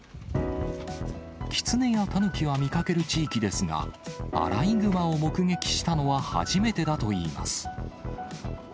キツネやタヌキは見かける地域ですが、アライグマを目撃したのは、初めてだといいます。